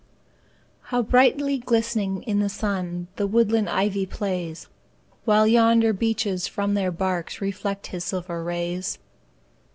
How brightly glistening in the sun The woodland ivy plays! While yonder beeches from their barks Reflect his silver rays.